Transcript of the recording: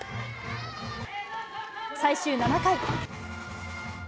最終７回。